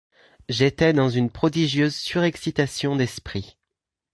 J’étais dans une prodigieuse surexcitation d’esprit.